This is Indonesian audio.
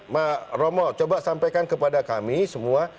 mak romo coba sampaikan kepada kami semua